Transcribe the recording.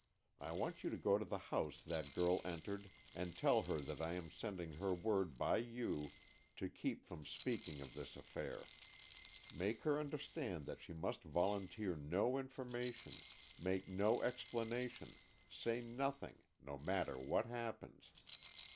I want you to go to the house that girl entered and tell her that I am sending her word by you to keep from speaking of this affair. Make her understand that she must volunteer no information, make no explanation, say nothing, no matter what happens.